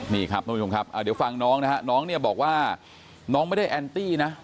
นี่ครับทุกผู้ชมครับเดี๋ยวฟังน้องนะฮะน้องเนี่ยบอกว่าน้องไม่ได้แอนตี้นะ